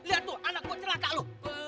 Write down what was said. lihat tuh anak gue celaka lo